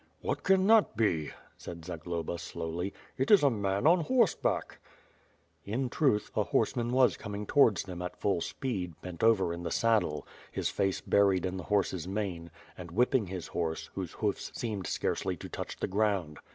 "What can that be?" said Zagloba slowly. "It is a man on horseback." In truth, a horseman was coming towards them at full speed, bent over in the saddle; his face buried in the horse's mane, and whipping his horse, whose hoofs seemed scarcely to touch the ground.